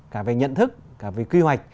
cả về nhận thức cả về quy hoạch